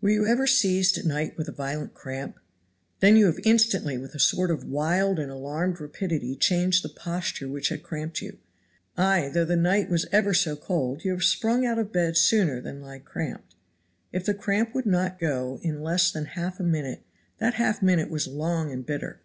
Were you ever seized at night with a violent cramp? Then you have instantly with a sort of wild and alarmed rapidity changed the posture which had cramped you; ay though the night was ever so cold you have sprung out of bed sooner than lie cramped. If the cramp would not go in less than half a minute that half minute was long and bitter.